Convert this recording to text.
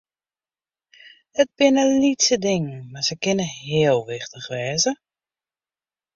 It binne lytse dingen, mar se kinne heel wichtich wêze.